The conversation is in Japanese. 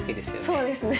そうですね。